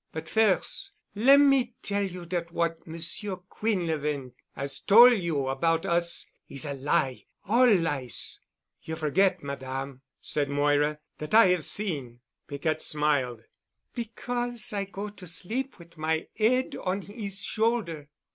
But firs' let me tell you dat what Monsieur Quinlevin 'as tol' you about us is a lie—all lies." "You forget, Madame," said Moira, "that I have seen." Piquette smiled. "Because I go to sleep wit' my 'ead on 'is shoulder.